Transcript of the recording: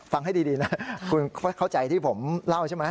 ให้ดีนะคุณเข้าใจที่ผมเล่าใช่ไหม